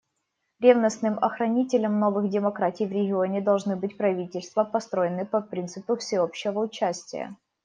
Ревностным охранителем новых демократий в регионе должны быть правительства, построенные по принципу всеобщего участия.